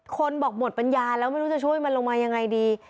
คนบอกหมดปัญญาแล้วไม่รู้จะช่วยมันลงมายังไงดี